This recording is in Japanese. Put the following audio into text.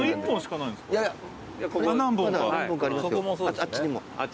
あっちにも。